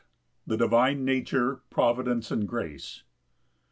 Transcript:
The divine nature, providence and grace.